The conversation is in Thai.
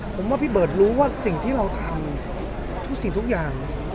ผมว่าพี่เบิร์ตรู้ว่าสิ่งที่เราทำทุกสิ่งทุกอย่าง